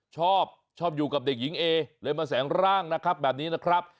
ชอบชอบอยู่กับเด็กหญิงเอเลยมาแสงร่างนะครับแบบนี้นะครับ